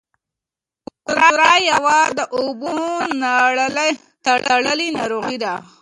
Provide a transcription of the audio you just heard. کولرا یوه د اوبو تړلۍ ناروغي ده.